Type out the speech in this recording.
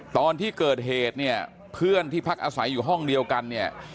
ตอนที่เกิดเหตุเนี่ยเพื่อนที่พักอาศัยอยู่ห้องเดียวกันเนี่ย